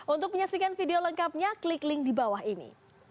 untuk menyaksikan video lengkapnya klik link di bawah ini